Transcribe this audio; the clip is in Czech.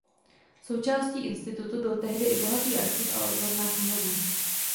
Součástí institutu byl tehdy i bohatý archiv a odborná knihovna.